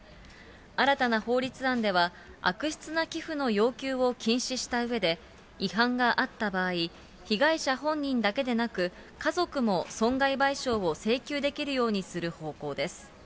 新たな法律案では、悪質な寄付の要求を禁止したうえで、違反があった場合、被害者本人だけでなく、家族も損害賠償を請求できるようにする方向です。